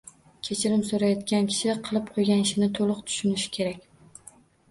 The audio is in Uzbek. Kechirim so‘rayotgan kishi qilib qo‘ygan ishini to‘liq tushunishi kerak.